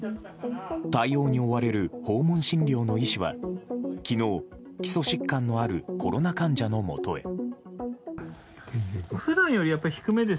対応に追われる訪問診療の医師は昨日、基礎疾患のあるコロナ患者のもとへ。